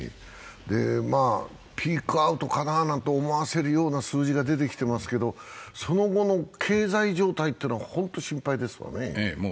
ピークアウトかななんて思わせるような数字が出てきてますけど、その後の経済状態というのはほんと心配ですわね。